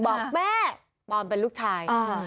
บอกแม่ปอนเป็นลูกชาย